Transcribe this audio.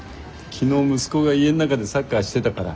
昨日息子が家の中でサッカーしてたから。